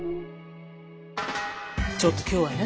ちょっと今日はね。